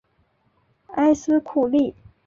埃斯库利。